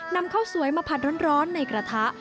นำข้าวสวยมาผัดร้อนในกระทะ